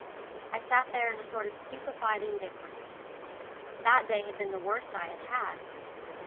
I sat there in a sort of stupefied indifference. That day had been the worst I had had.